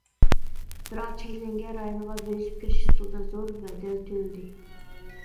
بىراق چەكلەنگەن رايونغا بۆسۈپ كىرىش ئۇسۇلىدا زور بەدەل تۆلىدى.